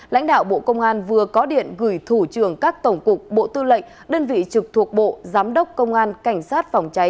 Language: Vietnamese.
lãnh đạo bộ công an vừa có điện gửi thủ trưởng các tổng cục bộ tư lệnh đơn vị trực thuộc bộ giám đốc công an cảnh sát phòng cháy